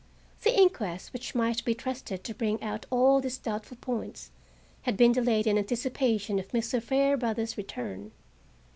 The inquest, which might be trusted to bring out all these doubtful points, had been delayed in anticipation of Mr. Fairbrother's return.